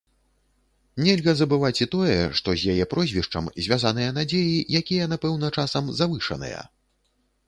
Нельга забываць і тое, што з яе прозвішчам звязаныя надзеі, якія напэўна часам завышаныя.